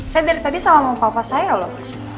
saya dari tadi sama papa saya loh